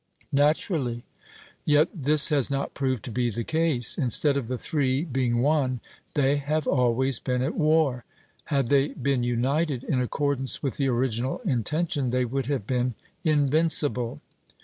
'Naturally.' Yet this has not proved to be the case. Instead of the three being one, they have always been at war; had they been united, in accordance with the original intention, they would have been invincible.